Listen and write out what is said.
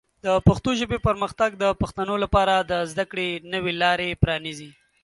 د پښتو ژبې پرمختګ د پښتنو لپاره د زده کړې نوې لارې پرانیزي.